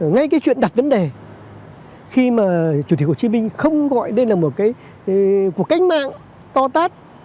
ngay cái chuyện đặt vấn đề khi mà chủ tịch hồ chí minh không gọi đây là một cái cuộc cách mạng co tát